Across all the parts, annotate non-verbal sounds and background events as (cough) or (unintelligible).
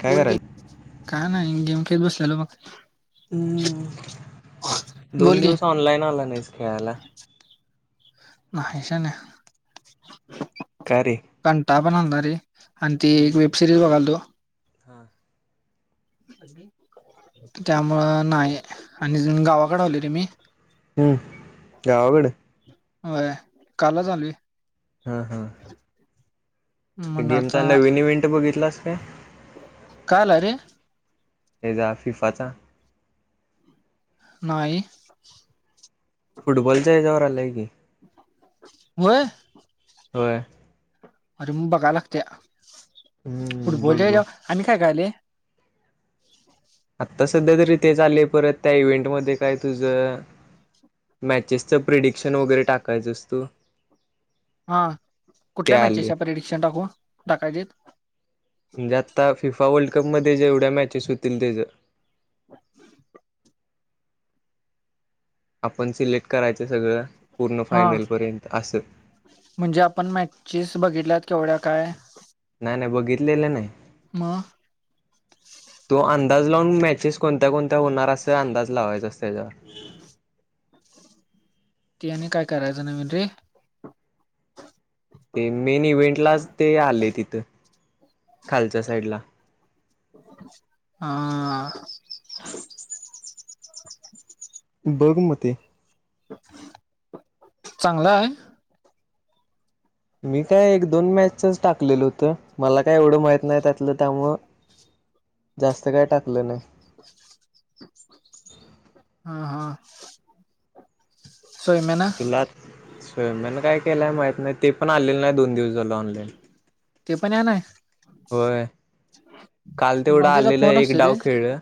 काय बोल कि करायल काय नाही गेम खेळेत बसलेलो बघ हम्म बोल दोन की दिवस ऑनलाईन आला नाहीस खेळायला. नाही शान्या नाही काय रे कंटाळा पण आलता रे आणि ति एक हम्म वेबसिरीज बघालतो. (inaudible) त्यामुळं नाही आणि गावाकडे आलोय रे मी. हम्म गावाकडं. होय कालच आलोय. हा हा. म्हणलं गेमचा आता नवीन इव्हेंट बघितलास काय काल रे हे जा फिफाचा. नाही. फुटबॉलच्या हेजावर आलाय की व्हय. होय. अरे मग बघायला लागत्या हम्म फुटबॉल बघ च्या बघ हेजाव आणि काय काय आलय. (inaudible) आता सध्या तरी ते चाले परत त्या इव्हेंट म काय तुझ मॅचेसचं प्रिडिक्शन वगैरे टाकायचंस तू. हा ते कुठल्या आले मॅचेच्या परिडिक्शन टाकू टाकायचीत म्हणजे आता फिफा वर्ल्ड कप मध्ये जेवढ्या मॅचेस होतील त्याच (inaudible) आपण सिलेक्ट करायचं सगळं. पूर्ण हा फायनलपर्यंत असं म्हणजे आपण मॅचेस बघितल्यात केवढ्या काय. आणि बघितलेलं नाही म? तो अंदाज लावून मॅचेस कोणत्या कोणत्या होणार असं अंदाज लावायचा अस त्याच्यावर ती आणि काय करायचं नवीन रे ते मेन इव्हेंटलाच ते आलय तिथं खालच्या साईडला हां. बघ म ते चांगला आहे. मी काय एक दोन मॅचच टाकलेलं हुतं मला काय एवढं माहित नाही त्यातलं त्यामुळ जास्त काय टाकलं नाही हा हा. सौम्यानं तुला काय केलंय माहित नाही ते पण आलेलं नाही दोन दिवस ला ऑनलाईन. ते पण ये ना होय काल मला तेवढं त्याचा आलेलं फोन एक असतो रे डाव खेळं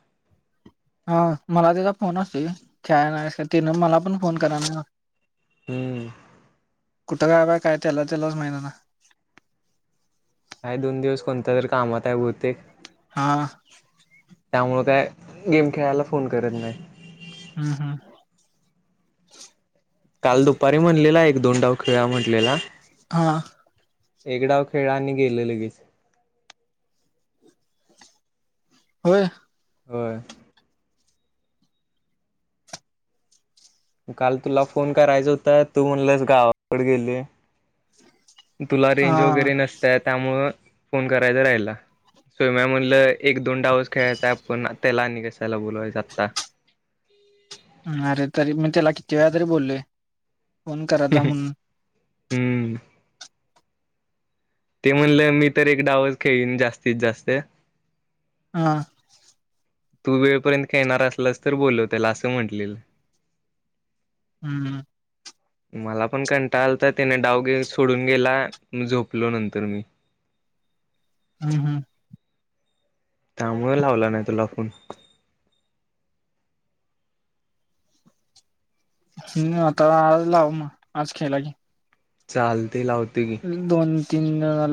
हा मला तझा फोन असतूय खेळाय येणार हायस काय तिन मला पण फोन कराय नाय हम्म. कुठं काय बा काय त्याला त्यालाच माहित आता काय दोन दिवस कोणत्या तरी कामात आहे बहुतेक हा त्यामुळ काय गेम खेळायला फोन करत नाही. हम्म हम्म. काल दुपारी म्हणलेला एक दोन डाव खेळूया म्हटलेला हा. एकडाव खेळं आणि गेलं लगीच. होय होय. काल तुला फोन करायचा हुता, तू म्हणलंस गावाकड गेलोय. तुला हा रेंज वगैरे नसत्या, त्यामुळं फोन करायचा राहिला. सोम्या म्हणल, अ एक दोन डावच खेळायचय आपण त्याला आणि कशाला बोलवायच आता. (inaudible) अरे तरी मी तेला, किती वेळा तरी बोललोय फोन करत जा म्हणून? हूमम. ते म्हणलं, मी तर एक डावच खेळीन जास्तीत जास्त हा. तू वेळपर्यंत खेळणार असलास तर, बोलव त्याला आसं म्हणटलेल. हम्म. हम्म. मला पण कंटाळा आलता तेनं डाव घेऊन. सोडून गेला झोपलो नंतर मी. हम्म. हम्म. त्यामुळ लावला नाही तुला फोन. हम् आता आज लाव मग आज खेळला की. चालते लावतो. दोन तीन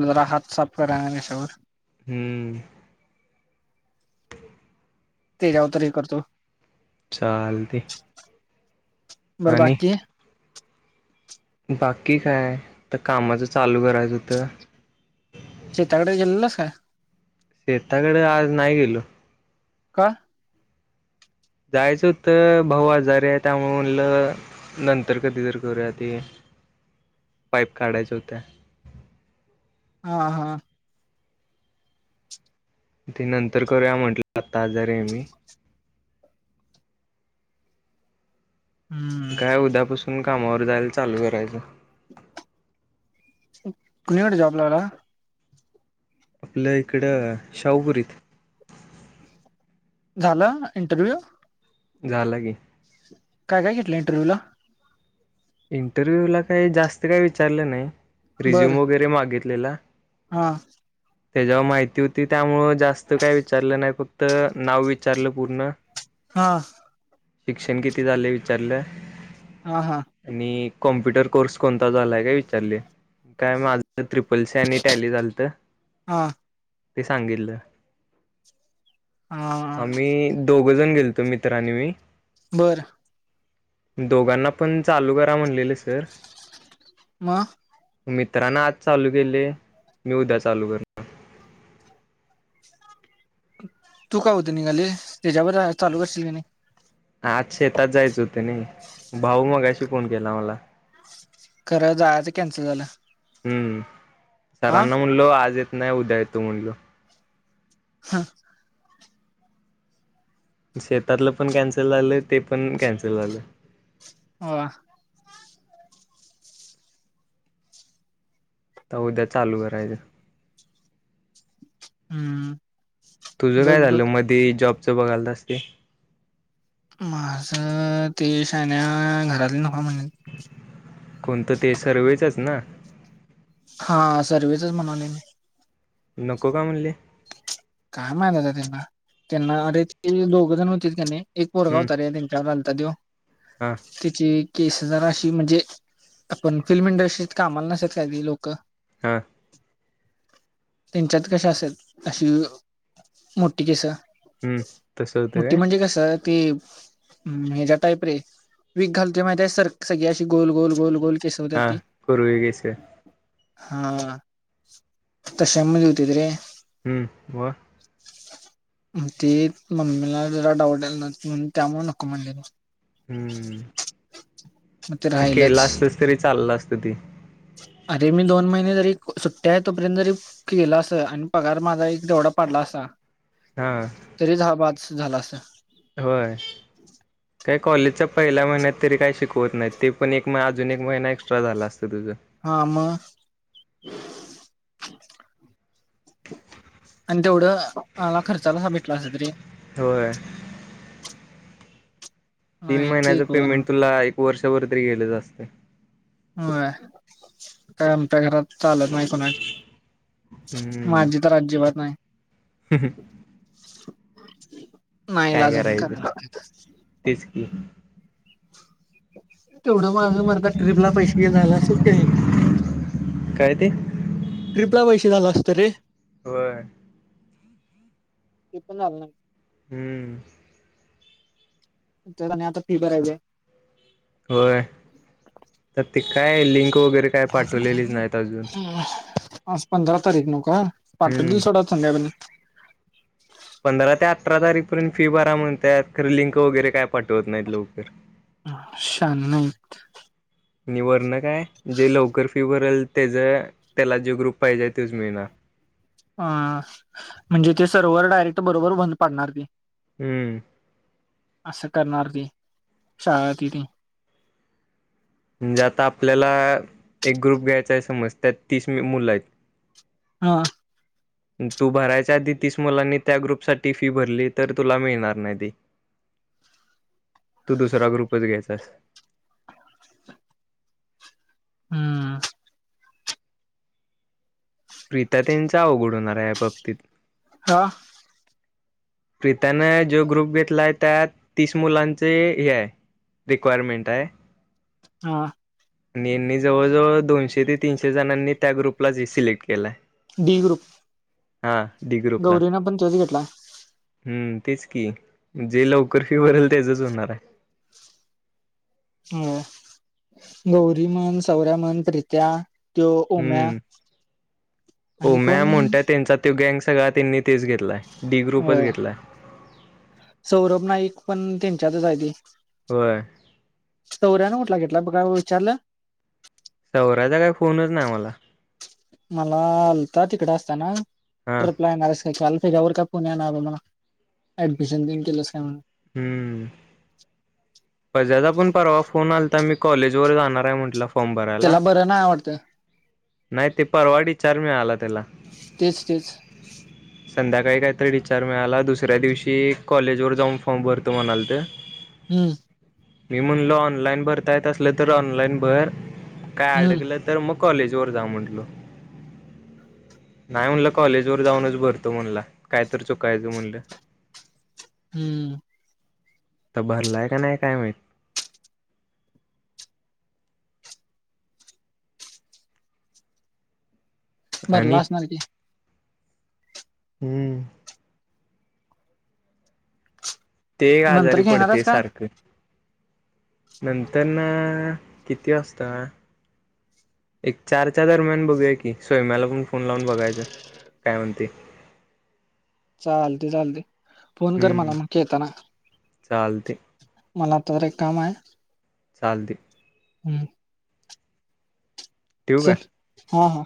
जरा हात साफ करा याच्यावर. हम्म. त्याच्यावर तरी हे करतो. चालते. बर आणि बाकी. बाकी काय तर कामाचं चालू करायचं हुतं. शेताकड गेलेलास काय. शेताकड आज नाही गेलो. का? जायचं होत भाऊ आजारी आहे त्यामुळे म्हणलं नंतर कधी तर करूया ते. (inaudible) पाईप काढायचं होतं. हा हा. ते नंतर करूया म्हंटलं आता आजारी आहे मी. हम्म काय उद्यापासून कामावर जायला चालू करायचं. कुणीकडे जॉब लागला? आपलं इकडं शाहुपुरीत. झालं इंटरव्ह्यू? झाला की. काय काय घेतलं इंटरव्ह्यू ला? इंटरव्ह्यू ला काही जास्त काही विचारलं नाही, रिझ्यूम वगैरे मागितलेला. हा. त्याच्यावर माहिती होती त्यामुळ जास्त काय विचारलं नाही, फक्त नाव विचारलं पूर्ण. हां. शिक्षण किती झाले? विचारलं. हा हा. आणि कॉम्प्युटर कोर्स कोणता झालाय काय विचारले. काय माझं ट्रिपल्स आणि टॅली झालत. हां ते सांगितलं. हां आम्ही दोघं जण गेलतो. मित्र आणि मी. बरं. दोघांना पण चालू करा म्हणलेलं सर. मग? मित्रांन आज चालू केले, मी उद्या चालू करणार. तू काय होतं निघाले त्याच्यावर चालू करशील की नाही? आज शेतात जायच होते नाही भाऊ मगाशी फोन केला मला खरं जायचं तर कॅन्सल झालं. हम्म हा सरांना म्हणलो आज येत नाही उद्या येतो म्हणलो. हा. शेतातलं पण कॅन्सल झालं ते पण कॅन्सल झालं. वा. तर उद्या चालू करायचं. हम्म. तुझं बघ काय बघ झालं मध्ये जॉबच बघायलतास ते? माझ ते शाण्या घरातले नका म्हणलेत. कोणतं ते सर्वेचच ना? हा सर्वे चच म्हणाले म नको का म्हणली? काय माहित आता त्यांनला त्यांना अरे ते दोघ जण होती की नाही एक पोरगा हम्म होता रे त्यांच्यावर आता देव हा तिची केस जरा अशी म्हणजे आपण फिल्म इंडस्ट्रीत कामाला नसेत काय ती लोक हा. त्यांच्यात कशा असेल अशी मोठी केसं हम्म तसं होतं काय? ते हच्या टाईप रे वीक घालत माहिती सर सगळी अशी गोल गोल गोल गोल केस होत्या हा ती कुरळी केस. हा तशा मध्ये होती रे. हम्म ब म ते मम्मीला जरा डाऊट आलाता ल ना म्हण त्यामुळे नको म्हणलेलं मग ते हम्म राहिलच केलं असतच तरी चाललं असत ते अरे मी दोन महिने जरी सुट्ट्या आहे तोपर्यंत जरी केल अस आणि पगार माझा एक तेवढा. पडला असा हा तरीच हबाज झाला अस होय काही कॉलेजच्या पहिल्या महिन्यात तरी काही शिकवत नाही ते पण एक अजून एक महिना एक्स्ट्रा झाला अस. हा म आणि तेवढ मला खर्चाला भेटला असे तरी होय. तीन नाही ते महिन्याच कोण पेमेंट तुला एक वर्षभर तरी गेलच असत. होय काय आमच्या घरात चालत नाही कोणाची हम्म माझी तर अजिबात नाही काय नाईलाजान कराय करायचं लागतय. तेच की तेवढं माझ मरदा ट्र्रीपला पैशे जाल असत का? काय ते क (unintelligible) झालं असत रे. वय. किती झा ना (inaudible) हम्म. त्यात आणि आता फी भरायचीहाय. होय तर ते काय लिंक वगैरे काय पाठवलेलीच नाहीत अजून आज पंधरा तारीख नव का हम्म पाठवतील सोडा संध्याकाळपर्यंत (unintelligible) पंधरा ते अठरा तारीखपर्यंत फी बरा म्हणत्यात खरं लिंक वगैरे काय पाठवत नाहीत लवकर. शान नाहीत. नि वरण काय जे लवकर फीवरल तेज त्याला ज्यू ग्रुप पाहिजे त्यूच मिळणार. अ म्हणजे ते सर्वर डायरेक्ट बरोबर बंद पडणार की हम्म असं करणार ती, शाळंतली ती म्हणजे आता आपल्याला, एक ग्रुप घ्यायचा आहे समज त्यात तीस म मुलं आहेत हा तू भरायच्या आधी तीस मुलांनी त्या ग्रुपसाठी फी भरली तर तुला मिळणार नाही ती. (unintelligible) तू दुसरा ग्रुपच घ्यायचास हम्म प्रीता त्यांचं अवघड होणार आहे या बाबतीत हा प्रीतानं ज्यो ग्रुप घेतलाय त्यात तीस मुलांचे हे आहे रिक्वायरमेंट हाय हा आणि यांनी जवळजवळ दोनशे ते तीनशे जणांनी त्या ग्रुपलाच ही सिलेक्ट केलाय. D group. हा डी ग्रुपला, गौरीनं पण तोच घेतला हम्म तेच कि जे लवकर फी भरल तेजच होणार हाय ह, गौरी म्हण सौर्या म्हण प्रित्या त्यो उम्या उम्या मोन्ट्या म त्यांचा तो गँंग सगळा त्यांनी तेच घेतलाय, डी ग्रुपच होय घेतलाय सौरभ नाईक पण त्यांच्यातच आहे ती होय सौर्यानं कुटला घी बघा (unintelligible) विचारलं सौर्याचा काय फोनच नाही मला मला आलता तिकडे असताना हा ट्रपला येणारस काल त्याच्यावर का पुण्या नाय मला, ऍडमिशन देऊन केलंस काय म्हणून ज्याचा पण परवा फोन आलता मी कॉलेज वर जाणार आहे म्हटलं फॉर्म भरायला त्याला बरं नाही वाटतं नाही ते परवा डीचार मिळाला त्याला. तेच तेच संध्याकाळी कायतरी डीचार मिळाला दुसऱ्या दिवशी कॉलेज वर जाऊन फॉर्म भरतो म्हणालतं हम्म मी म्हणलो ऑनलाईन भरता येत असलं तर ऑनलाईन भर, काय हम्म अडकलं तर मग कॉलेजवर जाऊ म्हटंलो नाही म्हणलं कॉलेज वर जाऊनच भरतो म्हणला, काय तर चुकायचं म्हणलं हम्म तर भरलाय का नाही काय माहित? आणि भरला असणार की. हम्म ते नंतर आजारी घेणारच पडते काय सारखं नंतर ना किती वाजता एक चारच्या दरम्यान बघूया की, स्वैम्याला पण फोन लावून बघायचं काय म्हणते चालते चालते, फोन कर मला हम्म मग येताना चालते. मला तर एक काम आहे चालते. हम्म ठेवू काय? चल हा हा.